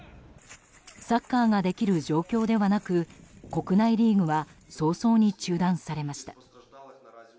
サッカーができる状況ではなく国内リーグは早々に中断されました。